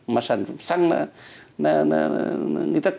mà sản phẩm xăng là